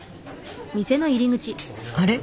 あれ？